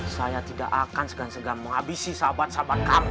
saya tidak akan segan segan menghabisi sahabat sahabat kami